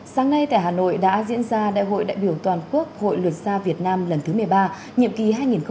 sáng nay tại hà nội đã diễn ra đại hội đại biểu toàn quốc hội luật gia việt nam lần thứ một mươi ba nhiệm kỳ hai nghìn một mươi tám hai nghìn hai mươi sáu